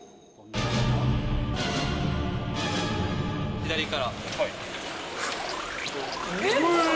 左から。